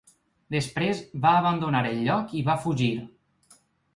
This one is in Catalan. Després va abandonar el lloc i va fugir.